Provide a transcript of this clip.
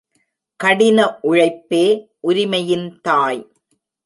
கடின உழைப்பே, உரிமையின் தாய்.